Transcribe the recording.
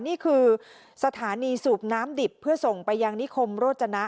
นี่คือสถานีสูบน้ำดิบเพื่อส่งไปยังนิคมโรจนะ